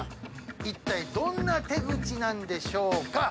いったいどんな手口なんでしょうか？